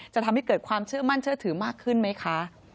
จะทำให้เกิดความเชื่อมั่นเชื่อถือมากขึ้นไหมคะ